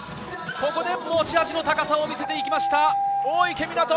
ここで持ち味の高さを見せていきました、大池水杜。